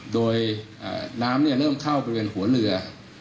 ด้วยน้ำเนี่ยเริ่มเข้าในหัวเรือ